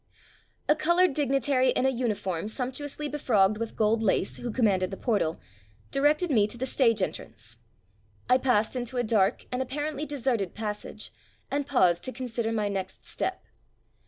«« A colored dignitary in a uniform sumptuously bef rogged with gold lace who commanded the portal, directed me to the stage entrance. I passed into a dark and apparently deserted passage and paused to consider my next step.